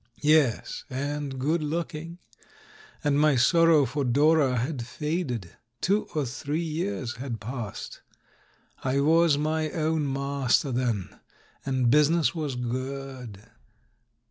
Yes, and good looking. And my sorrow for Dora had faded — two or three years had passed. I was my own master then, and business was good.